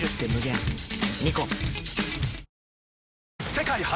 世界初！